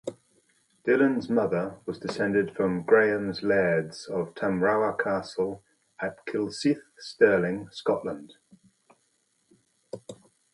Dillon's mother was descended from Grahams Lairds of Tamrawer Castle at Kilsyth, Stirling, Scotland.